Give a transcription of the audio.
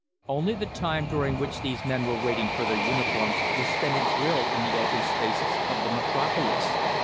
Only the time during which these men were waiting for their uniforms was spent in drill in the open spaces of the Metropolis.